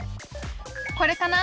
これかな？